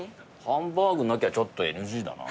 ハンバーグなきゃちょっとＮＧだな。